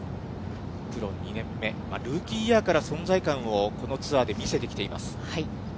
プロ２年目、ルーキーイヤーから存在感をこのツアーで見せてきています。